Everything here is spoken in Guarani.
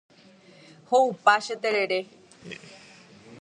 Ho’upa che terere.